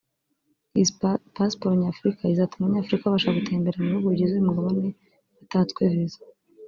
Iyi pasiporo Nyafurika izatuma Abanyafurika babasha gutembera mu bihugu bigize uyu mugabane batatswe visa